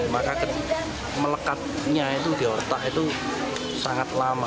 maka melekatnya itu di otak itu sangat lama